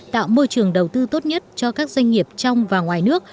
tạo môi trường đầu tư tốt nhất cho các doanh nghiệp trong và ngoài nước